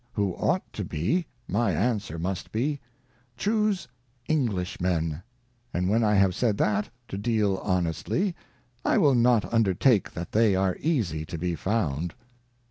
Who ought to be, my Answer must be, Chuse Englishmen ; and when I have said that, to deal honestly, I will not undertake that they are easy to be found.'